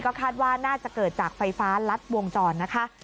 คาดว่าน่าจะเกิดจากไฟฟ้ารัดวงจรนะคะ